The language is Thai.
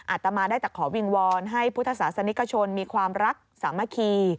อาตมาได้แต่ขอวิงวอนให้พุทธศาสนิกชนมีความรักสามัคคี